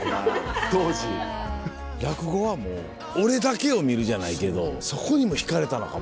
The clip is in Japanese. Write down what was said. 落語はもう俺だけを見るじゃないけどそこにも引かれたのかも。